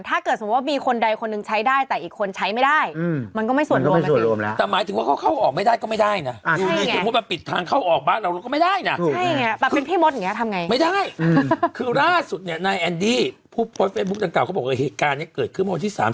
ถ้าเกิดพี่คนใดใช้ได้แต่พี่คนอื่นใช้ไม่ได้